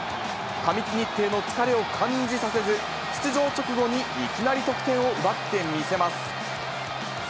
過密日程の疲れを感じさせず、出場直後にいきなり得点を奪ってみせます。